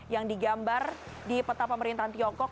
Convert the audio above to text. yang digambar di peta pemerintahan tiongkok